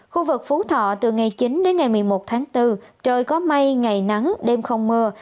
khu vực phú thọ từ ngày chín đến ngày một mươi một tháng bốn trời có mây ngày nắng đêm không mưa